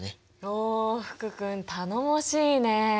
おお福君頼もしいねえ。